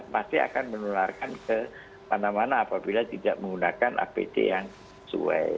pasti akan menularkan ke mana mana apabila tidak menggunakan apd yang sesuai